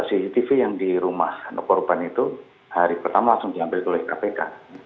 cctv yang di rumah korban itu hari pertama langsung diambil oleh kpk